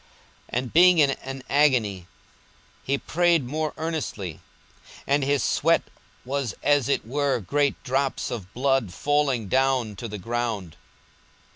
42:022:044 And being in an agony he prayed more earnestly: and his sweat was as it were great drops of blood falling down to the ground.